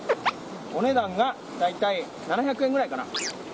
お値段が大体７００円ぐらいかな。